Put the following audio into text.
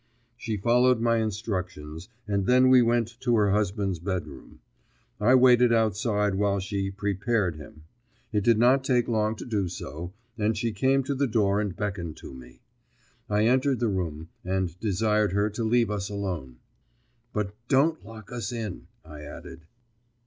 She followed my instructions, and then we went to her husband's bedroom. I waited outside while she "prepared" him. It did not take long to do so, and she came to the door and beckoned to me. I entered the room, and desired her to leave us alone. "But don't lock us in," I added.